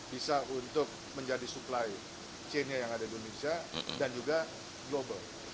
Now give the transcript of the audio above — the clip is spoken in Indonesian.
bisa untuk menjadi supply chainnya yang ada di indonesia dan juga global